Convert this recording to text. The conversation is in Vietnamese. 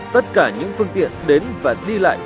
tất cả những phương tiện đến và đi lại